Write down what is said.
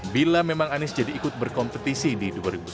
bila memang anies jadi ikut berkompetisi di dua ribu sembilan belas